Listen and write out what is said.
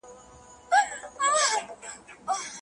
غوښه په لویو غوریو کې مېلمنو ته د دسترخوان په منځ کې کېښودل شوه.